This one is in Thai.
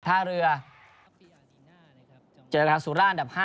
ท่าเรือเจอกันครับสุราญดับ๕